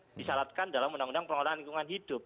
yang disalatkan dalam undang undang pengolahan lingkungan hidup